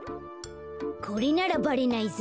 これならばれないぞ。